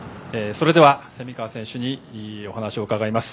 それでは蝉川選手にお話を伺います。